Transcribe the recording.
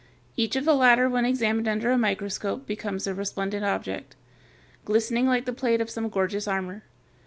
Each of the latter when examined under a microscope becomes a resplendent object, glistening like the plate of some gorgeous armor.